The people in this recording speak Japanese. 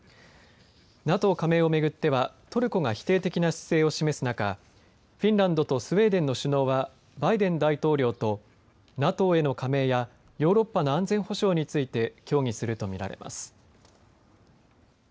ＮＡＴＯ加盟をめぐってはトルコが否定的な姿勢を示す中フィンランドとスウェーデンの首相はバイデン大統領とＮＡＴＯへの加盟やヨーロッパの安全保障について協議するとみられます。